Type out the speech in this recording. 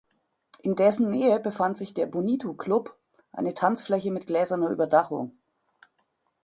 In dessen Nähe befand sich der "Bonito Club", eine Tanzfläche mit gläserner Überdachung.